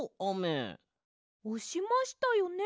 おしましたよね